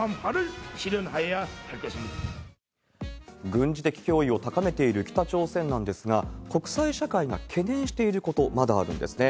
軍事的脅威を高めている北朝鮮なんですが、国際社会が懸念していること、まだあるんですね。